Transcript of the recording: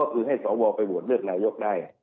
คือให้สวกวาลไปวัดเรียกนายกได้